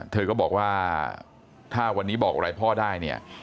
เธอก็บอกว่าถ้าวันนี้บอกอะไรพ่อได้เนี่ย